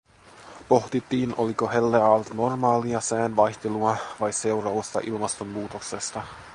Pohdittiin oliko helleaalto normaalia sään vaihtelua vai seurausta ilmastonmuutoksesta.